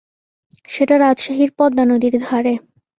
সেটা রাজশাহীর পদ্মা নদীর ধারে।